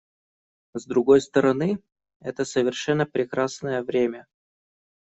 С другой стороны, это совершенно прекрасное время.